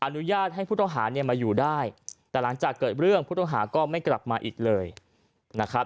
อนุญาตให้ผู้ต้องหาเนี่ยมาอยู่ได้แต่หลังจากเกิดเรื่องผู้ต้องหาก็ไม่กลับมาอีกเลยนะครับ